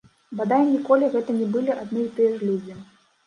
Бадай ніколі гэта не былі адны і тыя ж людзі.